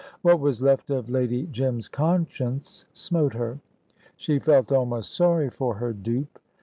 What was left of Lady Jim's conscience smote her; she felt almost sorry for her dupe.